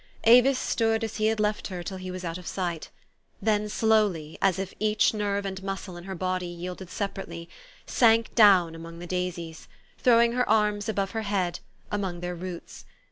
Avis stood as he had left her till he was out of sight; then slowly, as if each nerve and muscle in her body yielded separately, sank down among the daisies, throwing her arms above her head, among their roots.